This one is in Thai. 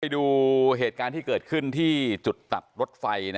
ดูเหตุการณ์ที่เกิดขึ้นที่จุดตัดรถไฟ